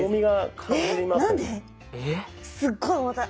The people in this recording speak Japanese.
すっごい重たい。